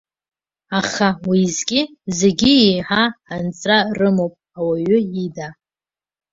Аха, уеизгьы, зегьы еиҳа анҵра рымоуп, ауаҩы ида!